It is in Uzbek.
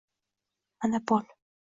monopol